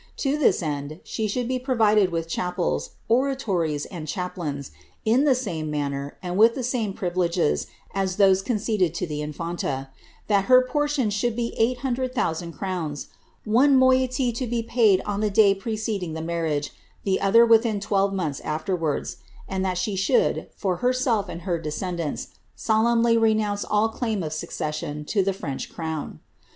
To this end, she should be provided with chapels, oratories, and chaplains, in the same manner, and with the same privi leges, as tnose conceded to the infanta; that her portion should be 800,000 crowns, one moiety to be paid on the day preceding the mar riage, the other within twelve months afterwards ; and that she should, for herself and for her descendants, solemnly renounce all claim of suc cession on the French crown.'